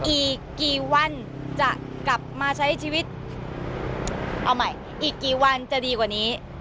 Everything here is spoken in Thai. อีกกี่วันจะกลับมาใช้ชีวิตเอาใหม่อีกกี่วันจะดีกว่านี้